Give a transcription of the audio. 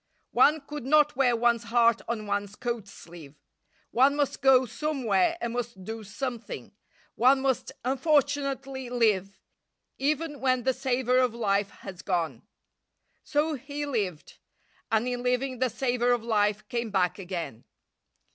One could not wear one's heart on one's coat sleeve. One must go somewhere and must do something. One must unfortunately live, even when the savour of life has gone. So he lived, and in living the savour of life came back again.